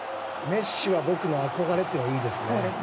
メッシは僕の憧れっていうのがいいですね。